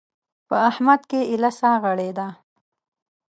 په احمد کې ايله سا غړېده.